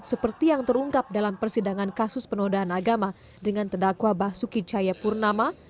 seperti yang terungkap dalam persidangan kasus penodaan agama dengan tendakwa basuki caya purnama